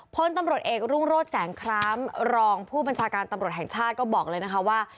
พลตำรวจเอกรุ่งโรศแสงครามรองผู้บัญชาการตำรวจแห่งชาติก็บอกเลยนะคะว่า